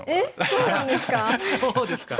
そうなんですか？